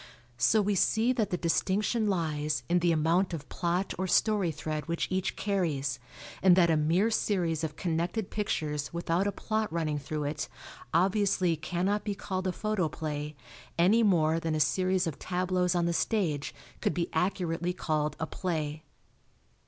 So we see that the distinction lies in the amount of plot or story thread which each carries, and that a mere series of connected pictures without a plot running through it obviously cannot be called a photoplay any more than a series of tableaus on the stage could be accurately called a play.